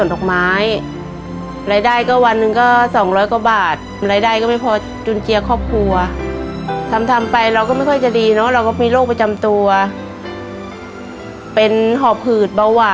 ทำงานเกี่ยวก็พฤกษณภกไม้